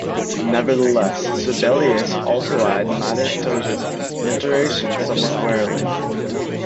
Nevertheless, Sibelius also eyed Madetoja's maturation somewhat wearily.